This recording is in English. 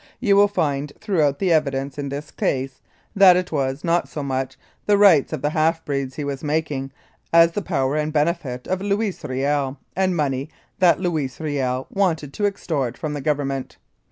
You will find throughout the evidence in this case that it was not so much the rights of the half breeds he was making as the power and benefit of Louis Riel, and money that Louis Kiel wanted to extort from the Government.